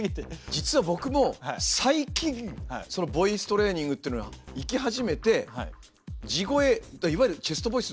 実は僕も最近そのボイストレーニングっていうのを行き始めて地声いわゆるチェストボイスっていうのかな。